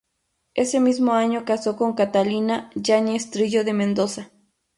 Ese mismo año casó con Catalina Yáñez Trillo de Mendoza.